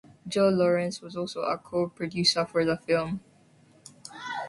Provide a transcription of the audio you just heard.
Joey Lawrence was also a co-producer for the film.